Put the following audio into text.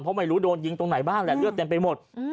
เพราะไม่รู้โดนยิงตรงไหนบ้างแหละเลือดเต็มไปหมด